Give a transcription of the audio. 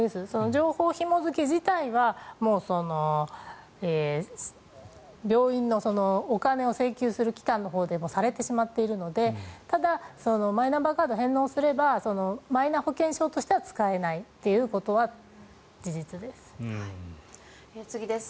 情報ひも付け自体は病院のお金を請求する機関のほうでされてしまっているのでただ、マイナンバーカードを返納すればマイナ保険証としては使えないということは次です。